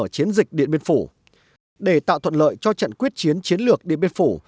chiến dịch điện biên phủ để tạo thuận lợi cho trận quyết chiến chiến lược điện biên phủ